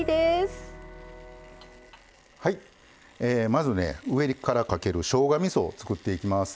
まずね上からかけるしょうがみそを作っていきます。